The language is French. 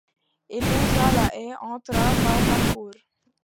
Il longea la haie, entra par la cour.